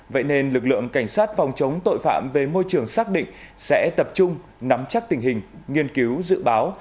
vậy nên lực lượng cảnh sát phòng chống tội phạm về môi trường xác định sẽ tập trung nắm chắc tình hình nghiên cứu dự báo